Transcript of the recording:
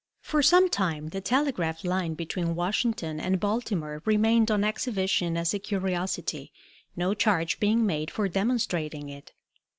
For some time the telegraph line between Washington and Baltimore remained on exhibition as a curiosity, no charge being made for demonstrating it.